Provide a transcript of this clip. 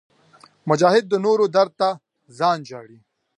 مجاهد د نورو درد ته ځان ژاړي.